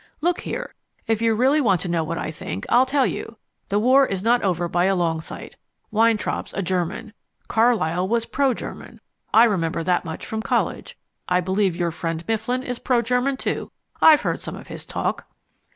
Look here, if you really want to know what I think, I'll tell you. The War's not over by a long sight. Weintraub's a German. Carlyle was pro German I remember that much from college. I believe your friend Mifflin is pro German, too. I've heard some of his talk!"